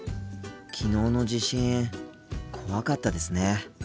昨日の地震怖かったですね。